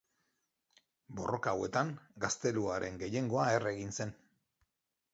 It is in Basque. Borroka hauetan gazteluaren gehiengoa erre egin zen.